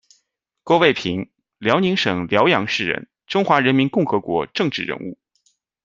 郭卫平，辽宁省辽阳市人，中华人民共和国政治人物。